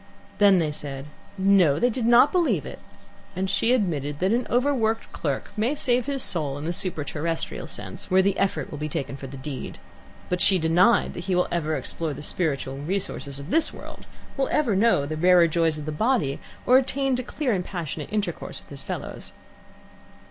Then they said, "No they did not believe it," and she admitted that an overworked clerk may save his soul in the superterrestrial sense, where the effort will be taken for the deed, but she denied that he will ever explore the spiritual resources of this world, will ever know the rarer joys of the body, or attain to clear and passionate intercourse with his fellows.